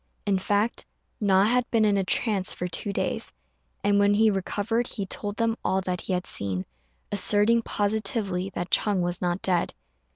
In fact, Na had been in a trance for two days, and when he recovered he told them all that he had seen, asserting positively that Ch'êng was not dead.